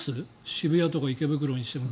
渋谷とか池袋にしても。